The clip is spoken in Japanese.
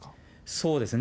そうですね。